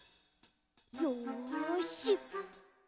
よし！